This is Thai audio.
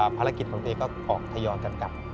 ภารกิจของตัวเองก็ออกทยอยกันกลับ